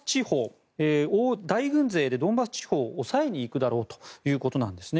大軍勢でドンバス地方を押さえに行くだろうということです。